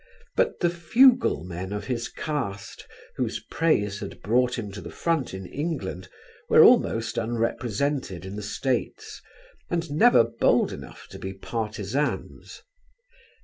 But the fuglemen of his caste whose praise had brought him to the front in England were almost unrepresented in the States, and never bold enough to be partisans.